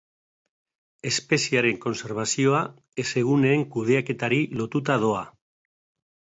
Espeziearen kontserbazioa hezeguneen kudeaketari lotuta doa.